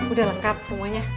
udah lengkap semuanya